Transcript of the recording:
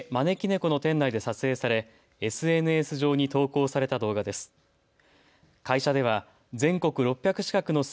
この店内で撮影されＳＮＳ上に投稿された動画です。